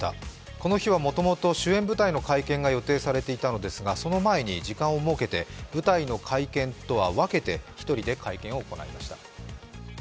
この日はもともと主演舞台の会見が予定されていたのですが、その前に時間を設けて、舞台の会見とは分けて、１人で会見を行いました。